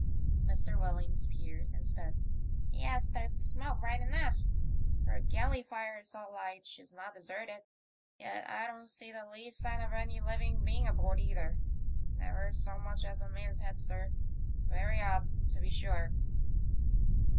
THE MYSTERY OF THE ''OCEAN STAR: 5 Mr. Williams peered and said, " Yes, that's smoke, right enough. If her galley fire's alight she's not deserted. Yet I don't see the least sign of any living being aboard either. Never so much as a man's head, sir. Very odd, to be sure."